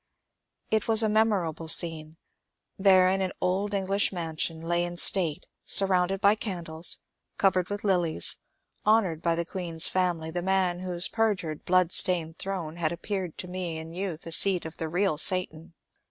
It was a memorable scene. There in an old English mansion lay in state, surrounded by candles, covered with lilies, honoured by the Queen's family, the man whose perjured, blood stained throne had appeared to nle in youth a seat of the real Satan.